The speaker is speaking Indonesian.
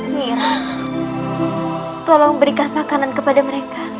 mira tolong berikan makanan kepada mereka